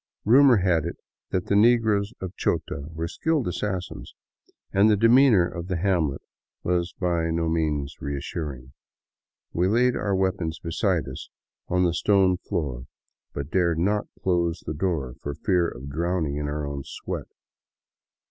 Rumor had it that the negroes of Chota were skilled assassins, and the demeanor of the hamlet was by no means reassuring. We laid our weapons beside us on the stone floor, but dared not close the door for feai of drowning in our own sweat.